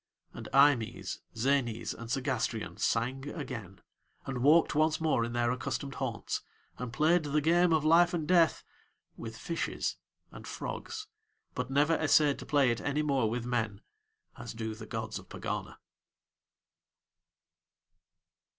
And Eimës, Zänës, and Segástrion sang again, and walked once more in their accustomed haunts, and played the game of Life and Death with fishes and frogs, but never essayed to play it any more with men, as do the gods of Pegana.